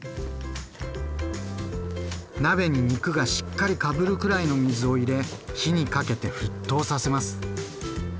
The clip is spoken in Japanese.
鍋に肉がしっかりかぶるくらいの水を入れ火にかけて沸騰させます。